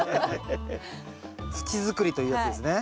土づくりというやつですねこれが。